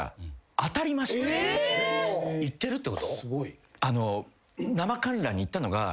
行ってるってこと？